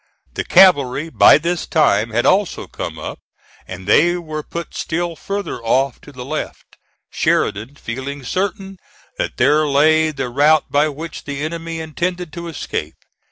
The cavalry by this time had also come up, and they were put still farther off to the left, Sheridan feeling certain that there lay the route by which the enemy intended to escape.